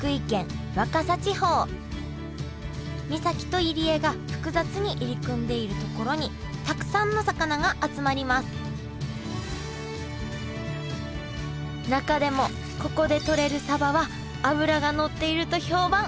岬と入り江が複雑に入り組んでいる所にたくさんの魚が集まります中でもここでとれるサバは脂がのっていると評判。